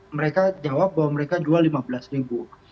mereka jawab bahwa mereka jual rp lima belas ribu